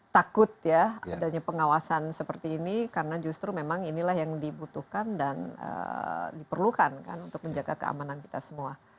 takut ya adanya pengawasan seperti ini karena justru memang inilah yang dibutuhkan dan diperlukan kan untuk menjaga keamanan kita semua